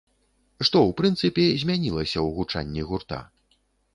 Што ў прынцыпе змянілася ў гучанні гурта?